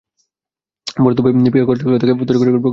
বরাদ্দ পেয়ে পিআইও কার্যালয় থেকে তড়িগড়ি করে প্রকল্প কমিটি করা হয়।